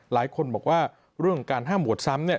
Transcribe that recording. หลายคนบอกว่าเรื่องของการห้ามโหวตซ้ำเนี่ย